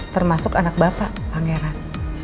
termasuk anak bapak pangeran